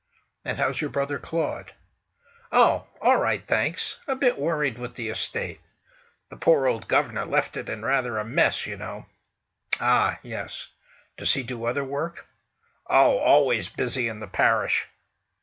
"And how's your brother Claud?" "Oh! All right, thanks; a bit worried with the estate. The poor old gov'nor left it in rather a mess, you know." "Ah! Yes. Does he do other work?" "Oh! Always busy in the parish."